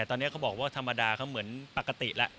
ตอนนี้เขาบอกว่าธรรมดาเขาเหมือนปกติแล้ว